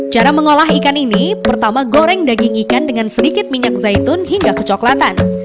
cara mengolah ikan ini pertama goreng daging ikan dengan sedikit minyak zaitun hingga kecoklatan